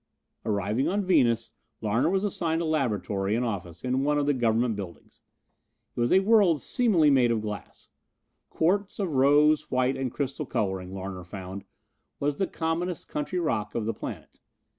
Arriving on Venus, Larner was assigned a laboratory and office in one of the Government buildings. It was a world seemingly made of glass. Quartz, of rose, white and crystal coloring, Larner found, was the commonest country rock of the planet.